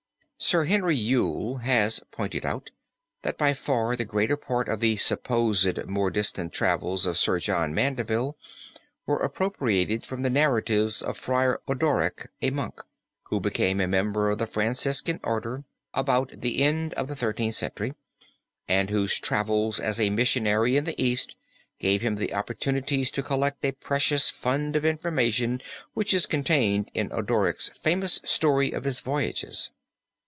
Sir Henry Yule has pointed out, that by far the greater part of the supposed more distant travels of Sir John Mandeville were appropriated from the narrative of Friar Odoric, a monk, who became a member of the Franciscan order about the end of the Thirteenth Century, and whose travels as a missionary in the East gave him the opportunities to collect a precious fund of information which is contained in Odoric's famous story of his voyages.